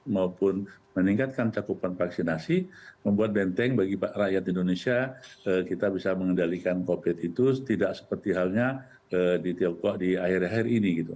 maupun meningkatkan cakupan vaksinasi membuat benteng bagi rakyat indonesia kita bisa mengendalikan covid itu tidak seperti halnya di tiongkok di akhir akhir ini gitu